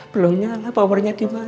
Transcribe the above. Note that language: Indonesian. belum nyala powernya dimana